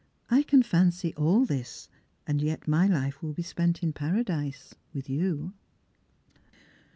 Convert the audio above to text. I can fancy all this, and yet my hfe will be spent in paradise — with you."